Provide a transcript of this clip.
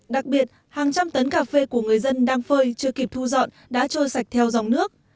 đặc biệt hàng trăm tấn cà phê của người dân đang phơi chưa kịp thu dọn đã trôi sạch theo dòng nước